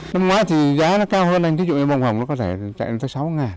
năm ngoái thì giá nó cao hơn anh cái dụng hình bông hồng nó có thể chạy đến tới sáu